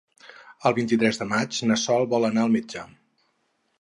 El vint-i-tres de maig na Sol vol anar al metge.